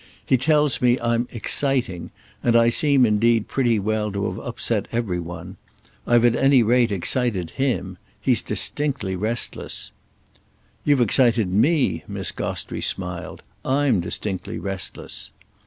He tells me I'm 'exciting,' and I seem indeed pretty well to have upset every one. I've at any rate excited him. He's distinctly restless." "You've excited me," Miss Gostrey smiled. "I'm distinctly restless."